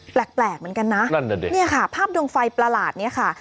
แปลกเหมือนกันนะนี่ค่ะภาพดวงไฟประหลาดนี่ค่ะ